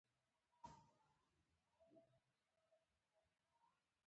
سید له درباره او له افغانستان څخه وایست.